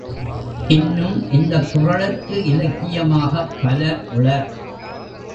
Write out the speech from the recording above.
இன்னும் இந்தக் குறளுக்கு இலக்கியமாகப் பலர் உளர்.